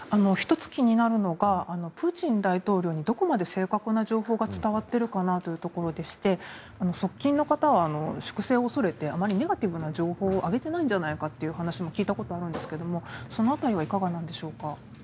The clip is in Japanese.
１つ気になるのがプーチン大統領にどこまで正確な情報が伝わっているのかというところで側近の方は粛清を恐れてあまりネガティブな情報を上げていないんじゃなかという話も聞いたことがあるんですけどその辺りはいかがでしょうか。